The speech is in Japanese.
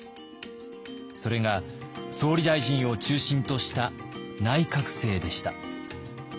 それが総理大臣を中心とした内閣制でした。